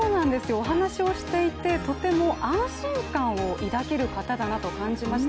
お話をしていてとても安心感を抱ける方だなと感じました。